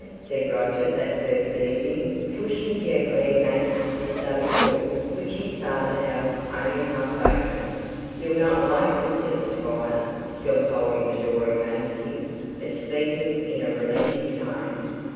said Roger, that first evening, pushing gently against the study door, which his father held only half open. "You'll not like it," said the squire, still holding the door against him, but speaking in a relenting tone.